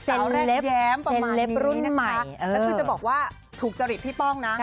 แรกแย้มประมาณรุ่นนะคะแล้วคือจะบอกว่าถูกจริตพี่ป้องนะ